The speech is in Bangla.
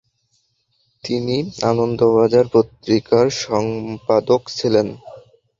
তিনি আনন্দবাজার পত্রিকার সম্পাদক ছিলেন।